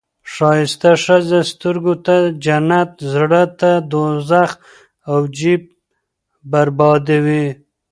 ښایسته ښځه سترګو ته جنت، زړه ته دوزخ او جیب بربادي وي.